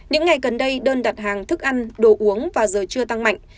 những ngày gần đây đơn đặt hàng thức ăn đồ uống và giờ chưa tăng mạnh